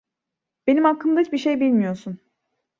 Benim hakkımda hiçbir şey bilmiyorsun.